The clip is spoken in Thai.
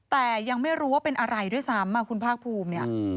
แต่ยังไม่รู้ว่าเป็นอะไรด้วยซ้ำคุณภาคภูมิเนี่ย